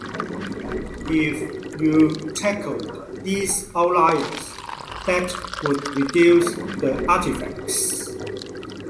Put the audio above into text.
If you tackled these outliers that would reduce the artifacts.